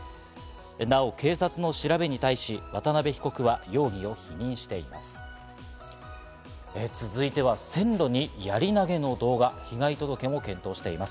なお警察の調べに対し、渡辺被告は容疑を否認しています。